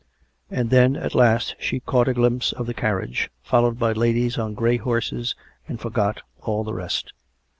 And then at last, she caught a glimpse of the carriage, followed by ladies on grey horses; and forgot all the rest.